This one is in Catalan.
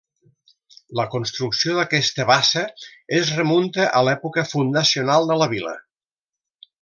La construcció d'aquesta bassa es remunta a l'època fundacional de la vila.